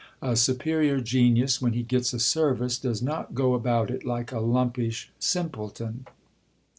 A superior genius, when he gets a service, does not go about it like a lumpish simpleton.